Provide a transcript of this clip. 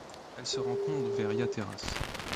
Elle se rencontre vers Yateras.